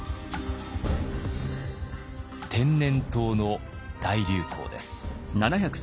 天然痘の大流行です。